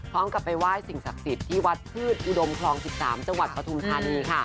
พร้อมกับไปไหว้สิ่งศักดิ์สิทธิ์ที่วัดพืชอุดมคลอง๑๓จังหวัดปฐุมธานีค่ะ